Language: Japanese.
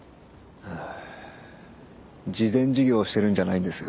ああ慈善事業してるんじゃないんですよ。